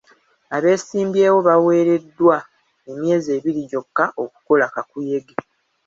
Abeesimbyewo baweereddwa emyezi ebiri gyokka okukola kakuyege.